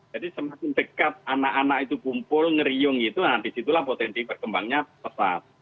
jadi semakin dekat anak anak itu kumpul ngeriung gitu nah disitulah potensi berkembangnya pesat